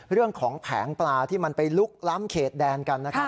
เรื่องของแผงปลาที่มันไปลุกล้ำเขตแดนกันนะครับ